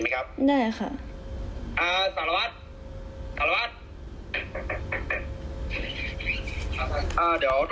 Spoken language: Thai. ค่ะ